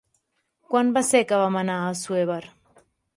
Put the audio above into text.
Quan va ser que vam anar a Assuévar?